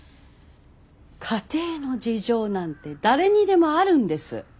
家庭の事情なんて誰にでもあるんです。